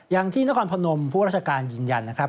อย่างที่นะครพนมพวกราชกาลยืนยัน